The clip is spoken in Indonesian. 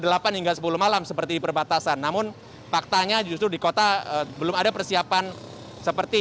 delapan hingga sepuluh malam seperti di perbatasan namun faktanya justru di kota belum ada persiapan seperti